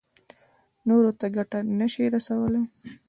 نورو ته ګټه نه شي رسولی.